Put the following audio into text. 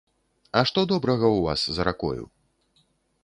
А што добрага ў вас за ракою?